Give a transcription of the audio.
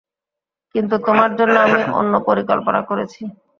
কিন্তু, তোমার জন্য আমি অন্য পরিকল্পনা করেছি।